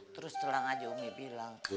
terus terang aja umi bilang